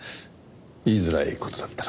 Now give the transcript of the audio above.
言いづらい事だったら。